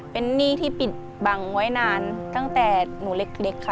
เป็นหนี้ที่ปิดบังไว้นานตั้งแต่หนูเล็กค่ะ